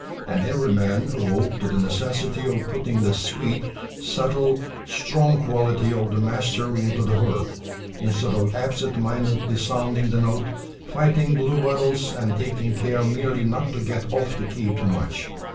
And every man awoke to the necessity of putting the sweet, subtile, strong quality of the master into the work, instead of absent mindedly sounding the note, fighting bluebottles, and taking care merely not to get off the key too much.